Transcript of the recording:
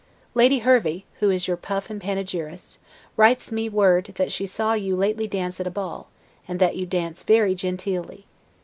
Lady Hervey, who is your puff and panegyrist, writes me word that she saw you lately dance at a ball, and that you dance very genteelly.